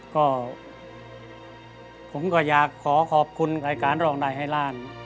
ก็ผมก็อยากขอขอบคุณรายการร้องได้ให้ล้าน